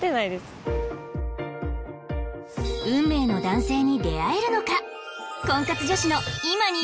運命の男性に出会えるのか？